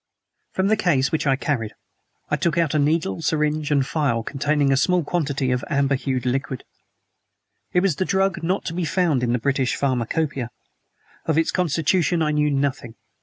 From the case which I carried I took out a needle syringe and a phial containing a small quantity of amber hued liquid. It was a drug not to be found in the British Pharmacopoeia. Of its constitution I knew nothing.